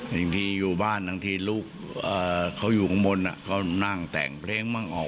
บางทีอยู่บ้านบางทีลูกเขาอยู่ข้างบนเขานั่งแต่งเพลงมั่งออก